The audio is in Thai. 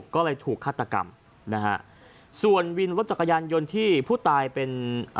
ก็เลยถูกฆาตกรรมนะฮะส่วนวินรถจักรยานยนต์ที่ผู้ตายเป็น